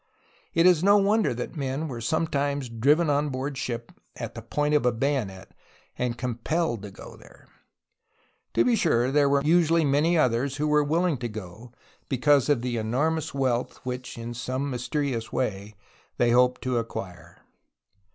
It is no wonder that men were some times driven on board ship at the point of the bayonet, and compelled to go there ! To be sure, there were usually many others who were willing to go, because of the enormous wealth which in some mysterious way they hoped to acquire.